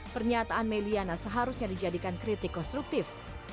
pernyataan may liana seharusnya dijadikan kritik konstruktif